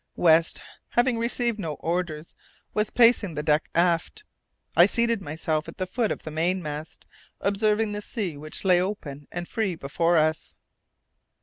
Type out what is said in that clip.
West, having received no orders, was pacing the deck aft. I seated myself at the foot of the mainmast, observing the sea which lay open and free before us.